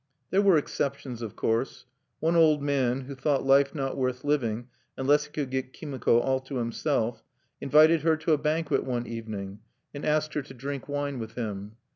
There were exceptions, of course. One old man, who thought life not worth living unless he could get Kimiko all to himself, invited her to a banquet one evening, and asked her to drink wine with him.